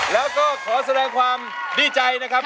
แล้วก็ขอแสดงความดีใจนะครับ